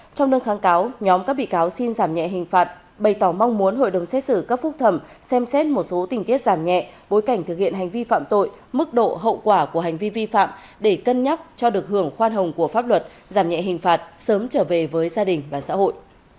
trong đơn kháng cáo nhóm các bị cáo xin giảm nhẹ hình phạt bày tỏ mong muốn hội đồng xét xử cấp phúc thẩm xem xét một số tình tiết giảm nhẹ bối cảnh thực hiện hành vi phạm tội mức độ hậu quả của hành vi vi phạm để cân nhắc cho được hưởng khoan hồng của pháp luật giảm nhẹ hình phạt sớm trở về với gia đình và xã hội